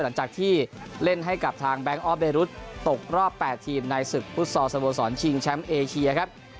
หลังจากที่เล่นให้กับทางแบงค์ออฟเดรุฑตกรอบ๘ทีมในศึกฟุตซอลสโมสรชิงแชมป์เอเชียครับ